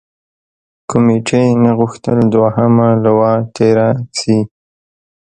کمېټې نه غوښتل دوهمه لواء تېره شي.